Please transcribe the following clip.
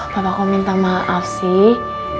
bapak kau minta maaf sih